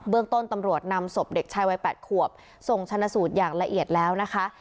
ต้นตำรวจนำศพเด็กชายวัย๘ขวบส่งชนะสูตรอย่างละเอียดแล้วนะคะ